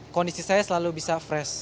kondisi saya selalu bisa fresh